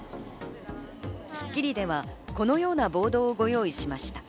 『スッキリ』ではこのようなボードをご用意しました。